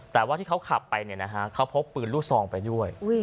แต่ว่าที่เขาขับไปเนี่ยนะฮะเขาพบปืนรูซองไปด้วย